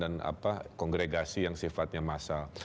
dan apa kongregasi yang sifatnya massal